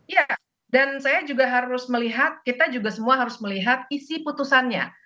ya dan saya juga harus melihat kita juga semua harus melihat isi putusannya